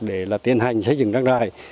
để tiến hành xây dựng trang trại